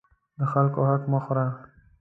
د خلکو حق مه خوره.